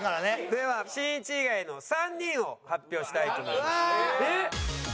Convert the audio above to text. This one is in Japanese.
ではしんいち以外の３人を発表したいと思います。